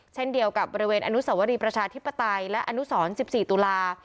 เช่นเดียวกับบริเวณอนุสวรีประชาธิปไตยและอนุสร๑๔ตุลา